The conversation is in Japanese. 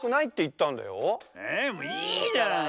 えっいいじゃない。